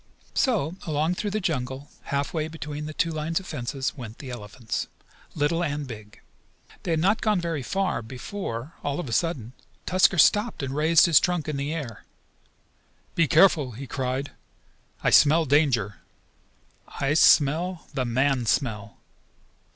So along through the jungle, half way between the two lines of fence, went the elephants, little and big. They had not gone very far before, all of a sudden, Tusker stopped and raised his trunk in the air. "Be careful!" he cried. "I smell danger! I smell the man smell!